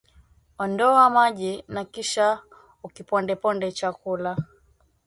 Ondoa maji na kisha ukipondeponde chakula